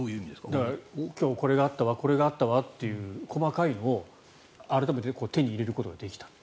だから今日、これがあったわという細かいのを改めて手に入れることができたと。